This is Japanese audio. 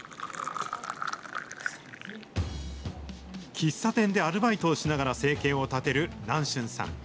喫茶店でアルバイトをしながら生計を立てる南春さん。